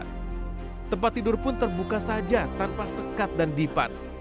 tempat tidur pun terbuka saja tanpa sekat dan dipan